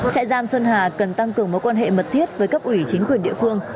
trại giam xuân hà cần tăng cường mối quan hệ mật thiết với cấp ủy chính quyền địa phương